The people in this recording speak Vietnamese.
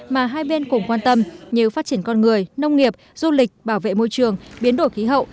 mà hai bên cùng quan tâm như phát triển con người nông nghiệp du lịch bảo vệ môi trường biến đổi khí hậu